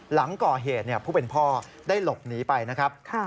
หลังก่อเหตุผู้เป็นพ่อได้หลบหนีไปนะครับ